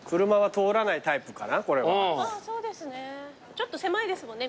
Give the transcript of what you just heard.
ちょっと狭いですもんね